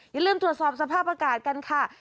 อย่าลืมตรวจสอบสภาพอากาศกันค่ะ